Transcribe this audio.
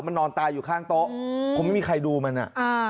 มันนอนตายอยู่ข้างโต๊ะคงไม่มีใครดูมันอ่ะอ่า